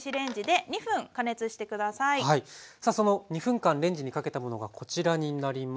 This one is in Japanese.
その２分間レンジにかけたものがこちらになります。